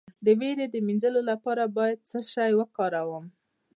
د ویرې د مینځلو لپاره باید څه شی وکاروم؟